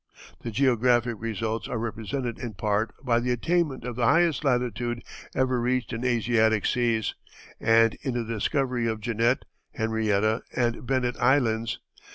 The geographic results are represented in part by the attainment of the highest latitude ever reached in Asiatic seas, and in the discovery of Jeannette, Henrietta, and Bennett Islands.